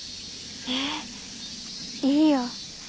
えーいいよ。